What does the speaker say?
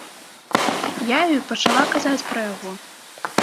Я ёй пачала казаць пра яго.